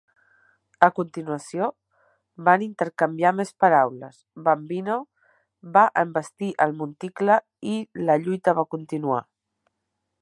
A continuació, van intercanviar més paraules, Bambino va envestir el monticle i la lluita va continuar.